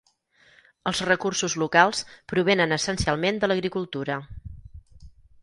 Els recursos locals provenen essencialment de l'agricultura.